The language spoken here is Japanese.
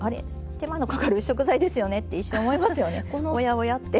手間のかかる食材ですよねって一瞬思いますよねおやおやって。